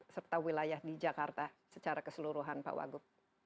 serta wilayah di jakarta secara keseluruhan pak wagub